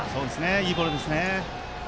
いいボールですね。